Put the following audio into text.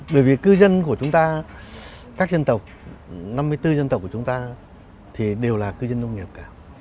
bởi vì cư dân của chúng ta các dân tộc năm mươi bốn dân tộc của chúng ta thì đều là cư dân nông nghiệp cả